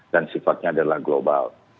dan sifatnya adalah global